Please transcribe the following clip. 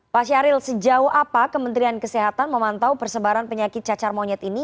pak syahril sejauh apa kementerian kesehatan memantau persebaran penyakit cacar monyet ini